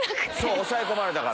押さえ込まれたから。